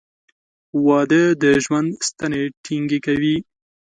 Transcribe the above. • واده د ژوند ستنې ټینګې کوي.